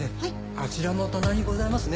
あちらの棚にございますね。